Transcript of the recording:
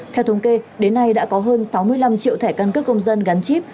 theo thống kê đến nay đã có hơn sáu mươi năm triệu thẻ căn cước công dân gắn chip